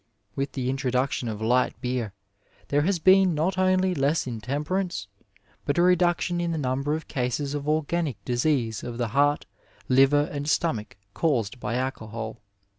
With the introduction of light beer there has been not only less intemperance, but a reduction in the number of cases of organic disease of the heart, liver and stomach caused by alcohol.